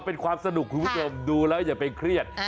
เป็นความสนุกคุณผู้ชมดูแล้วอย่าไปเครียด